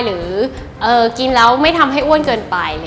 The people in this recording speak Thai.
หรือกินแล้วไม่ทำให้อ้วนเกินไปอะไรอย่างนี้